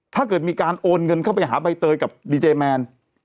ถ้าเกิดมีการโอนเงินเข้าไปหาใบเตยกับดีเจแมน